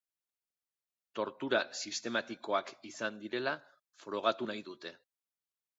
Tortura sistematikoak izan zirela frogatu nahi dute.